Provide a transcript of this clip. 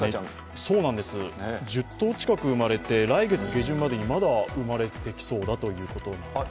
１０頭近く生まれて来月下旬までにまだ生まれてきそうということなんです。